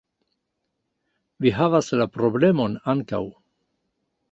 - Vi havas la problemon ankaŭ